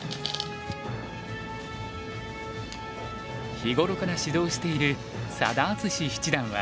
日頃から指導している佐田篤史七段は。